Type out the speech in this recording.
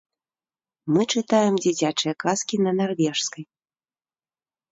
Мы чытаем дзіцячыя казкі на нарвежскай.